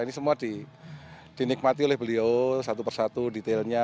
ini semua dinikmati oleh beliau satu persatu detailnya